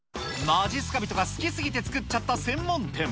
まじっすか人が好き過ぎて作っちゃった専門店。